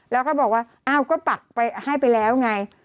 แล้วก็บอกว่าอ้าวก็ปักไปให้ไปแล้วไง